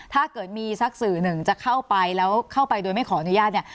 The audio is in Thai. ถ้าเกิดมีสักสื่อหนึ่งจะเข้าไปแล้วเข้าไปโดยไม่ขออนุญาตเนี่ย